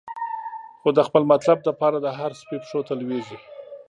خو د خپل مطلب د پاره، د هر سپی پښو ته لویږی